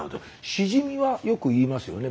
シジミはよく言いますよね。